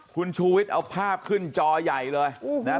คุณชูวิทย์เอาภาพขึ้นจอใหญ่เลยนะ